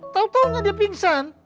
tau taunya dia pingsan